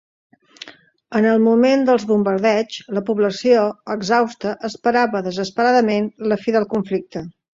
En el moment dels bombardeigs, la població, exhausta, esperava desesperadament la fi del conflicte.